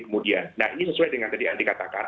kemudian nah ini sesuai dengan tadi yang dikatakan